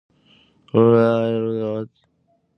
تاسې ولې په خپلو ورځنیو خبرو کې د پښتو ژبې کلمې نه کاروئ؟